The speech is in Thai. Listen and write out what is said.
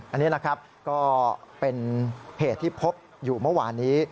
อันนี้นะครับก็เป็นเหตุที่พบอยู่เมื่อวานนี้